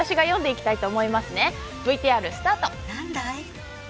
ＶＴＲ、スタート。